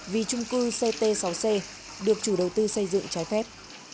vì trung cư ct sáu c được chủ đầu tư xây dựng trái phép